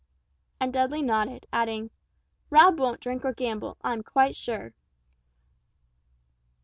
And Dudley nodded, adding, "Rob won't drink or gamble, I'm quite sure."